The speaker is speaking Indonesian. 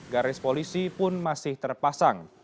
garis polisi pun masih terpasang